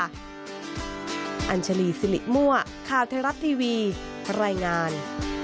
อัญชลีซิลิมั่วค่าเทรัตทีวีรายงาน